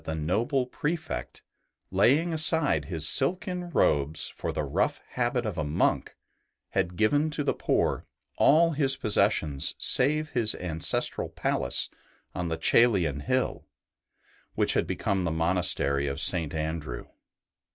BENEDICT noble Prefect, laying aside his silken robes for the rough habit of a monk, had given to the poor all his possessions save his ancestral palace on the Coelian hill, which had become the monastery of St. Andrew.